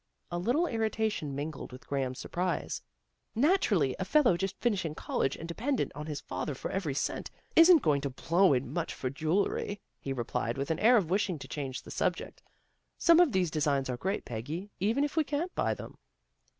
A little irritation mingled with Graham's surprise. " Naturally a fellow just finishing college and dependent on his father for every cent, isn't going to blow in much for jewelry," he replied with an air of wishing to change the subject. " Some of these designs are great, Peggy, even if we can't buy them."